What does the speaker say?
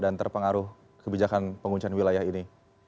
dan terpengaruh kebijakan penguncian wilayah ini